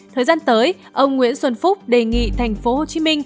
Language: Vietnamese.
thời gian tới ông nguyễn xuân phúc đề nghị tp hcm